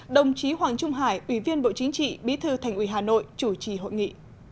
đồng chí hoàng trung hải ủy viên bộ chính trị bí thư thành ủy hà nội chủ trì hội nghị